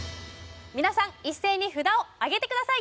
皆さん一斉に札をあげてください